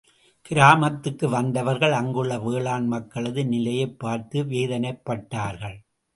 கிராமத்துக்கு வந்தவர்கள், அங்குள்ள வேளாண் மக்களது நிலையைப் பார்த்து வேதனைப்பட்டார்கள்.